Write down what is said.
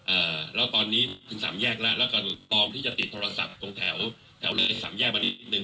เอ่อแล้วตอนนี้ถึงสามแยกแล้วแล้วก็ตอมที่จะติดโทรศัพท์ตรงแถวแถวเลยสามแยกมานิดนึ